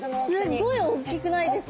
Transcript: すっごいおっきくないですか！？